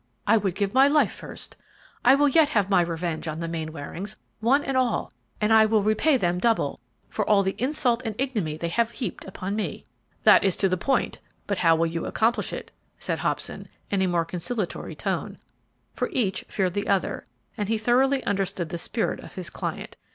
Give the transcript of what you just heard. I would give my life first! I will yet have my revenge on the Mainwarings, one and all; and I will repay them double for all the insult and ignominy they have heaped upon me." "That is to the point; but how will you accomplish it?" said Hobson, in a more conciliatory tone, for each feared the other, and he thoroughly understood the spirit of his client.